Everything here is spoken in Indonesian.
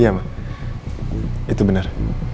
iya ma itu benar